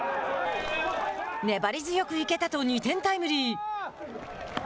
粘り強くいけたと２点タイムリー。